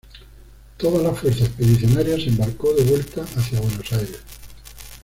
Toda la fuerza expedicionaria se embarcó de vuelta hacia Buenos Aires.